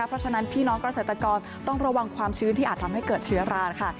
เพราะฉะนั้นพี่น้องเกษตรกรต้องระวังความชื้นที่อาจทำให้เกิดเชื้อราค่ะ